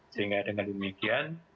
sehingga dengan demikian